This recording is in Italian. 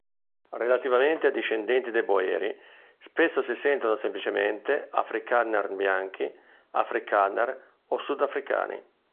Relativamente ai discendenti dei boeri: spesso si sentono semplicemente “afrikaner bianchi”, “afrikaner”, o “sudafricani”.